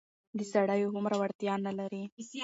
د سړيو هومره وړتيا نه لري.